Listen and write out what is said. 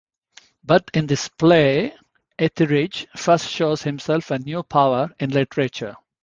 But in this play Etherege first shows himself a new power in literature.